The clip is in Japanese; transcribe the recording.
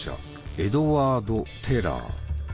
エドワード・テラー。